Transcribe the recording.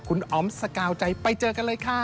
คุณอ๋อมสกาวใจไปเจอกันเลยค่ะ